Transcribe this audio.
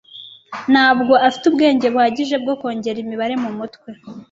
Ntabwo afite ubwenge buhagije bwo kongera imibare mumutwe.